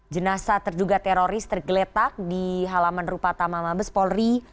jenasa terduga teroris tergeletak di halaman rupata mama mabes polri